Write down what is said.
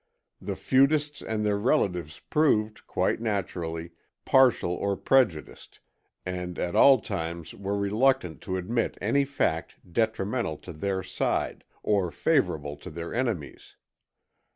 The feudists and their relatives proved, quite naturally, partial or prejudiced, and at all times were reluctant to admit any fact detrimental to their side, or favorable to their enemies.